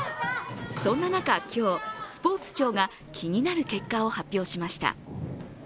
そんな中、今日、スポーツ庁が気になる結果を発表しました。